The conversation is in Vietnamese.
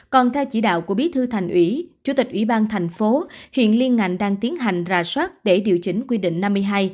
còn theo chỉ đạo của bí thư thành ủy chủ tịch ủy ban thành phố hiện liên ngành đang tiến hành rà soát để điều chỉnh quy định năm mươi hai